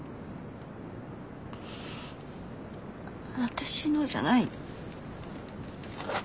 私のじゃない。